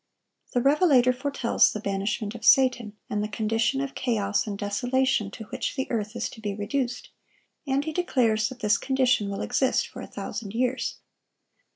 The revelator foretells the banishment of Satan, and the condition of chaos and desolation to which the earth is to be reduced; and he declares that this condition will exist for a thousand years.